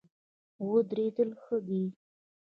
ودرېدل ښه دی.